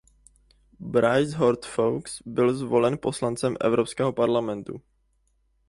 Brice Hortefeux byl zvolen poslancem Evropského parlamentu.